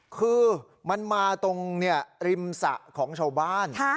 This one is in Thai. คือมันมาตรงริมสระของชาวบ้าน